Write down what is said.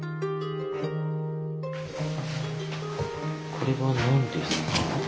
これは何ですか？